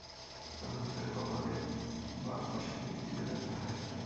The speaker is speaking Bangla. তখন তার কপালের বিী পাশে চিনচিনে ব্যথা হয়।